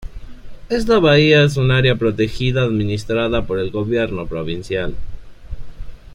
Esta bahía es un área protegida administrada por el gobierno provincial.